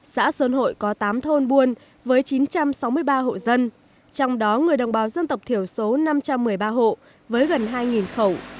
xã sơn hội có tám thôn buôn với chín trăm sáu mươi ba hộ dân trong đó người đồng bào dân tộc thiểu số năm trăm một mươi ba hộ với gần hai khẩu